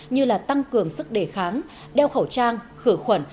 như là tăng cường sức đề kháng đeo khẩu trang khử khuẩn